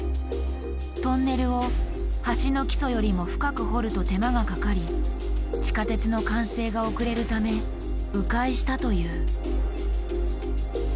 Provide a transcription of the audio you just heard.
トンネルを橋の基礎よりも深く掘ると手間がかかり地下鉄の完成が遅れるためう回したという。